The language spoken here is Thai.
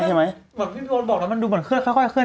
ที่โดนบอกดูเหมือนเคลื่อนเข้าไป